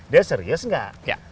dia serius nggak